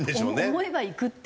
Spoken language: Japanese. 思えばいくって。